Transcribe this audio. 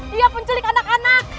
dia penculik anak anak